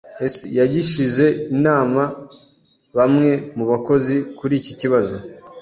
[S] Yagishije inama bamwe mu bakozi kuri iki kibazo.